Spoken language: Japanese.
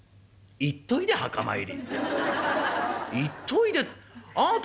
行っといで墓参り」。